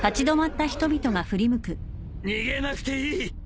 逃げなくていい。